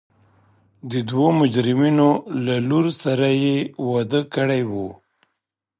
د دوو مجرمینو له لور سره یې واده کړی و.